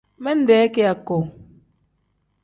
Minde kiyaku.